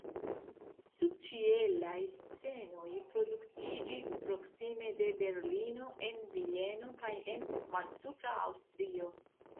Subĉielaj scenoj produktiĝis proksime de Berlino, en Vieno kaj en Malsupra Aŭstrio.